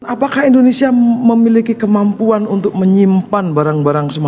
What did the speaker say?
apakah indonesia memiliki kemampuan untuk menyimpan barang barang semua